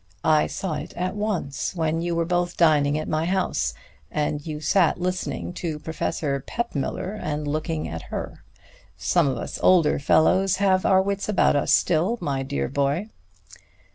"I saw it at once when you were both dining at my house, and you sat listening to Professor Peppmüller and looking at her. Some of us older fellows have our wits about us still, my dear boy."